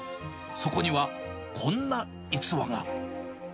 そこには、こんな逸話が。